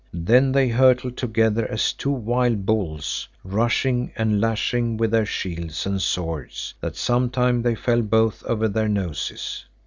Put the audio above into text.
Then they hurtled together as two wild bulls rushing and lashing with their shields and swords, that sometime they fell both over their noses.